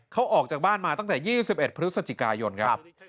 เขาออกจากบ้านมาตั้งแต่๒๑พฤศจิกายนครับ